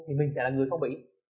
thì mình sẽ là người không bị